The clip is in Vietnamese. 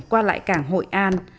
qua lại cảng hội an